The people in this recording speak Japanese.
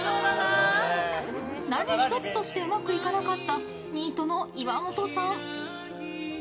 何１つとしてうまくいかなかったニートの岩本さん。